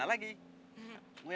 yang mana yang ini si haru manis